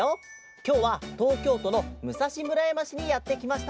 きょうはとうきょうとのむさしむらやましにやってきました。